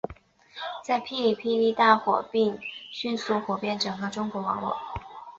在哔哩哔哩大火并迅速火遍整个中国网络。